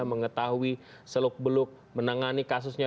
mengetahui seluk beluk menangani kasusnya